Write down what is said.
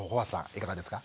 いかがですか？